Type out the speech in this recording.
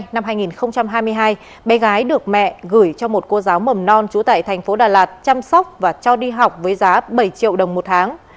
năm hai nghìn hai mươi hai bé gái được mẹ gửi cho một cô giáo mầm non trú tại thành phố đà lạt chăm sóc và cho đi học với giá bảy triệu đồng một tháng